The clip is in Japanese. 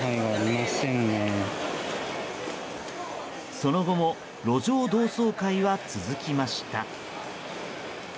その後も、路上同窓会は続きました。